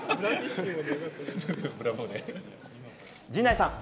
陣内さん。